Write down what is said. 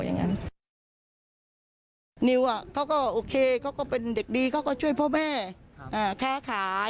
นิวเขาก็โอเคเขาก็เป็นเด็กดีเขาก็ช่วยพ่อแม่ค้าขาย